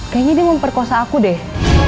kayaknya dia memperkosa aku deh